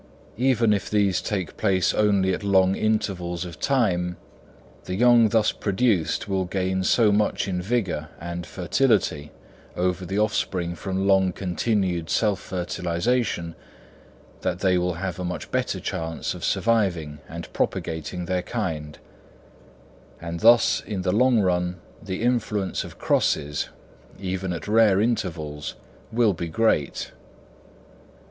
Even if these take place only at long intervals of time, the young thus produced will gain so much in vigour and fertility over the offspring from long continued self fertilisation, that they will have a better chance of surviving and propagating their kind; and thus in the long run the influence of crosses, even at rare intervals, will be great.